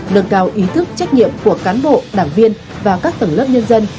nâng cao ý thức trách nhiệm của cán bộ đảng viên và các tầng lớp nhân dân